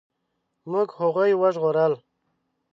موږ هغوی وژغورل.